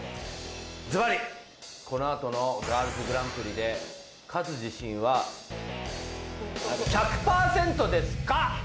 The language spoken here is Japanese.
ズバリ、この後のガールズグランプリで勝つ自信は１００％ですか？